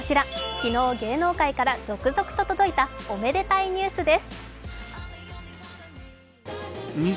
昨日、芸能界から続々と届いたおめでたいニュースです。